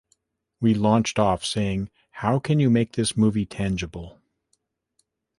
We launched off saying, how can you make this movie tangible?